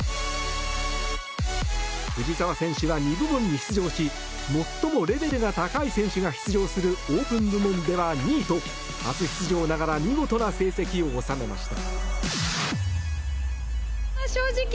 藤澤選手は２部門に出場し最もレベルが高い選手が出場するオープン部門では２位と初出場ながら見事な成績を収めました。